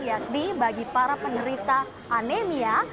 yakni bagi para penderita anemia